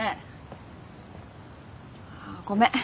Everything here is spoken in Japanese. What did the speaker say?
あごめん。